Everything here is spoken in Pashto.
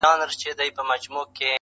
ځيني يې هنر بولي ډېر لوړ